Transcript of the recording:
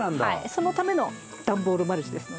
そのための段ボールマルチですので。